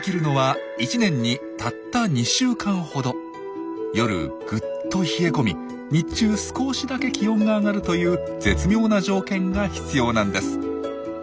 実はその夜ぐっと冷え込み日中少しだけ気温が上がるという絶妙な条件が必要なんです。